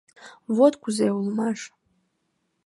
— Вот кузе улмаш!